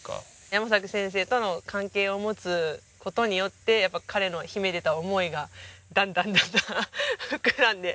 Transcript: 山崎先生との関係を持つ事によってやっぱり彼の秘めてた思いがだんだんだんだん膨らんで。